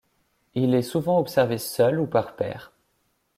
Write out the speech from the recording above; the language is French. Il est souvent observé seul ou par pairs.